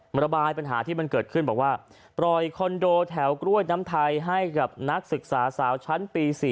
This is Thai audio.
ระบายปัญหาที่มันเกิดขึ้นบอกว่าปล่อยคอนโดแถวกล้วยน้ำไทยให้กับนักศึกษาสาวชั้นปี๔